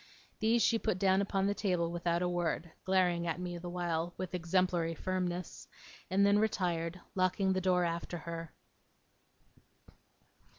These she put down upon the table without a word, glaring at me the while with exemplary firmness, and then retired, locking the door after her.